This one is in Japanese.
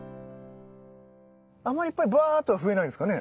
あんまりいっぱいバーっとは増えないんですかね。